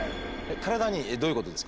体にいい？どういうことですか？